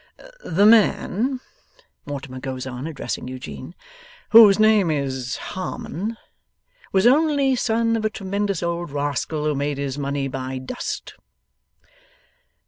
'The man,' Mortimer goes on, addressing Eugene, 'whose name is Harmon, was only son of a tremendous old rascal who made his money by Dust.